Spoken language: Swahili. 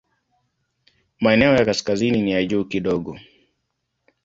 Maeneo ya kaskazini ni ya juu kidogo.